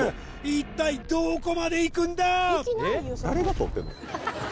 一体どこまで行くんだ！？